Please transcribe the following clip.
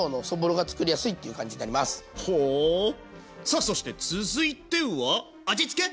さあそして続いては味付け！